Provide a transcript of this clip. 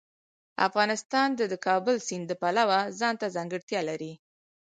افغانستان د د کابل سیند د پلوه ځانته ځانګړتیا لري.